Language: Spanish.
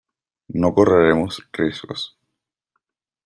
no correremos riesgos.